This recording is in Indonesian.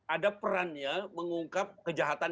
ada perannya mengungkap kejahatan